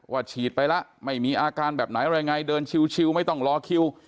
ว่าฉีดไปล่ะไม่มีอาการแบบไหนอะไรไงเดินชิวไม่ต้องล้อคิว